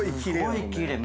すごいきれい。